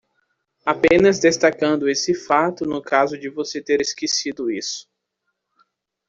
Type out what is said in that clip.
Apenas destacando esse fato no caso de você ter esquecido isso.